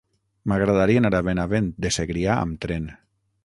M'agradaria anar a Benavent de Segrià amb tren.